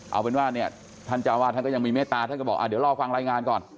เอาเป็นว่าเนี่ยท่านเจ้าวาดท่านก็ยังมีเมตตาท่านก็บอกเดี๋ยวรอฟังรายงานก่อน